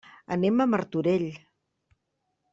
Anem a Martorell.